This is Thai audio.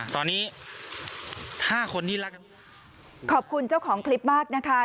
ตอนนี้ห้าคนที่รักขอบคุณเจ้าของคลิปมากนะคะ